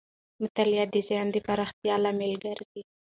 مطالعه د ذهن د پراختیا لامل ګرځي.